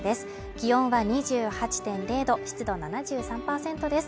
気温は２８．０度、湿度７３％です。